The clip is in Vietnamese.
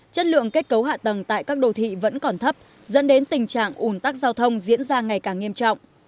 chất lượng kết cấu hạ tầng tại các đồ thị vẫn còn thấp dẫn đến tình trạng ủn tắc giao thông diễn ra ngày càng nghiêm trọng